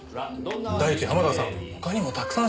第一濱田さん